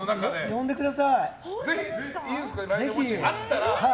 呼んでください、ぜひ。